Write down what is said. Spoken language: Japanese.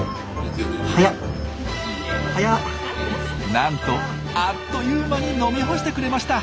なんとあっという間に飲み干してくれました。